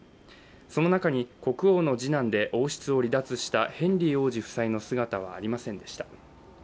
その中に国王の次男で王室を離脱したヘンリー王子夫妻の姿はありませんでした。